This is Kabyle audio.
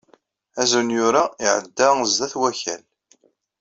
Azunyur-a iɛedda sdat Wakal.